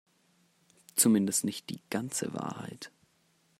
Zumindest nicht die ganze Wahrheit.